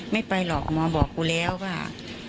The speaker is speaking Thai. ไม่ไปหรอกหมอบอกกูแล้วว่า